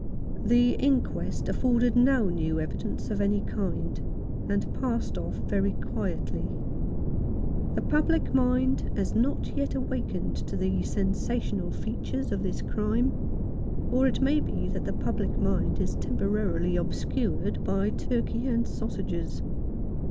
The inquest afforded no new evidence of any kind, and passed off very quietly. The public 134 yohn Fatmces Experiences. No. 29. mind has not yet awakened to the sensational features of this crime ; or it may be that the public mind is temporarily obscured by turkey and sausages.